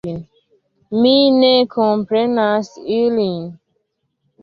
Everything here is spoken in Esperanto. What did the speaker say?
Mi ne komprenas ilin.